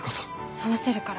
会わせるから。